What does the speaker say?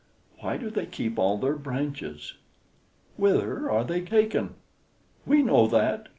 Why do they keep all their branches? Whither are they taken?" "We know that!